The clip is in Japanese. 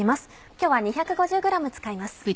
今日は２５０ｇ使います。